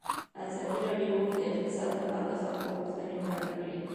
ازادي راډیو د اقتصاد لپاره د خلکو غوښتنې وړاندې کړي.